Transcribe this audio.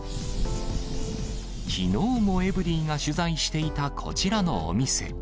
きのうもエブリィが取材していたこちらのお店。